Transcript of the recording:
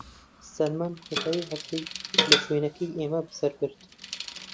سەلمان کۆتاییی هەفتەی لە شوێنەکەی ئێمە بەسەر برد.